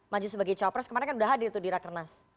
maju sebagai cowok pres kemarin kan udah hadir tuh di rakernas